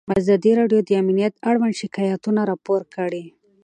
ازادي راډیو د امنیت اړوند شکایتونه راپور کړي.